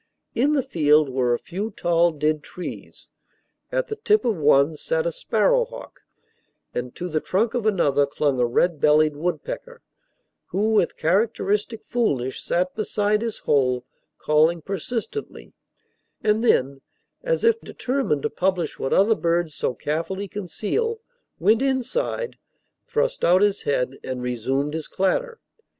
In the field were a few tall dead trees. At the tip of one sat a sparrow hawk, and to the trunk of another clung a red bellied woodpecker, who, with characteristic foolishness, sat beside his hole calling persistently, and then, as if determined to publish what other birds so carefully conceal, went inside, thrust out his head, and resumed his clatter.